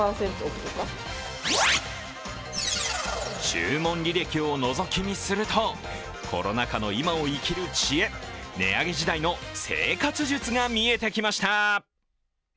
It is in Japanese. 注文履歴をのぞき見するとコロナ禍の今を生きる知恵、値上げ時代の生活術が見えてきました。